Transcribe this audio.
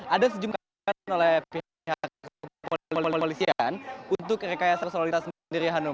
ada sejumlah penolakan oleh pihak polisian untuk rekayasa solulitas sendiri